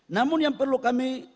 namun yang perlu kami